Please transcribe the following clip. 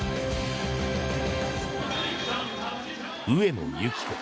上野由岐子。